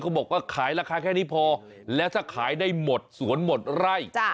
บอกว่าขายราคาแค่นี้พอแล้วถ้าขายได้หมดสวนหมดไร่